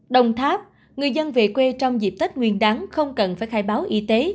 đồng tháp người dân về quê trong dịp tết nguyên đáng không cần phải khai báo y tế